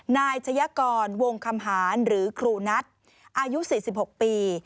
นายชะยกรวงคำหารหรือครูนัทอายุ๔๖ปี